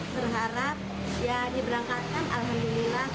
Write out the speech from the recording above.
berharap ya diberangkatkan alhamdulillah